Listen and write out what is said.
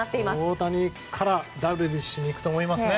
大谷からダルビッシュだと思います。